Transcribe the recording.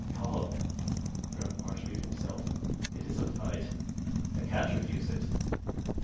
"God!" groaned Marshby to himself, "it is a fight. I can't refuse it."